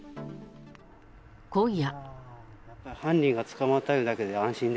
今夜。